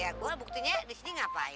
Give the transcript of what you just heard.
ya gue buktinya di sini ngapain